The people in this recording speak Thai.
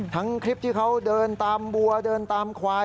คลิปที่เขาเดินตามบัวเดินตามควาย